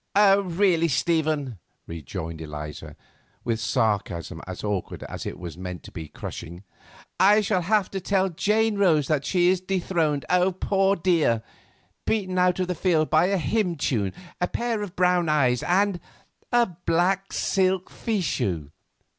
"Really, Stephen," rejoined Eliza, with sarcasm as awkward as it was meant to be crushing, "I shall have to tell Jane Rose that she is dethroned, poor dear—beaten out of the field by a hymn tune, a pair of brown eyes, and—a black silk fichu."